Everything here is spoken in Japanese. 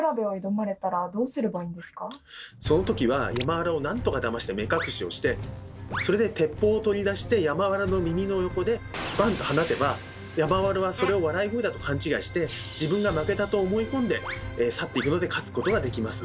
そのときは山童をなんとかだまして目隠しをしてそれで鉄砲を取り出して山童の耳の横でバン！と放てば山童はそれを笑い声だと勘違いして自分が負けたと思い込んで去っていくので勝つことができます。